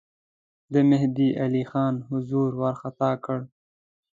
د مهدی علي خان حضور وارخطا کړ.